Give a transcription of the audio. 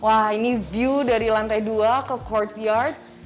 wah ini view dari lantai dua ke courtyard